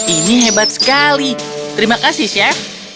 ini hebat sekali terima kasih chef